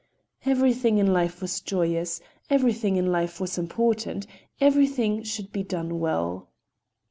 Everything in life was joyous, everything in life was important, everything should be done well.